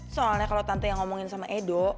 soalnya kalau tante yang ngomongin sama edo